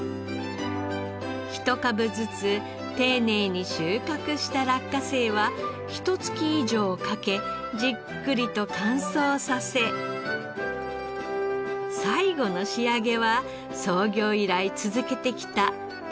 ひと株ずつ丁寧に収穫した落花生はひと月以上をかけじっくりと乾燥させ最後の仕上げは創業以来続けてきた天日干し。